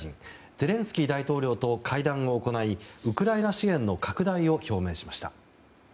ゼレンスキー大統領と会談を行いウクライナ支援の拡大を表明しました。